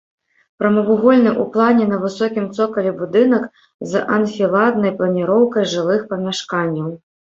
Прамавугольны ў плане на высокім цокалі будынак з анфіладнай планіроўкай жылых памяшканняў.